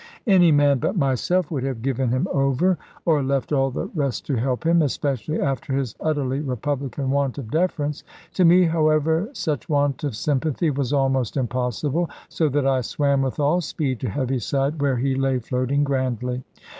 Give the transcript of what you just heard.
Any man but myself would have given him over, or left all the rest to help him, especially after his utterly republican want of deference. To me, however, such want of sympathy was almost impossible, so that I swam with all speed to Heaviside, where he lay floating grandly.